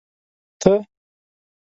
ته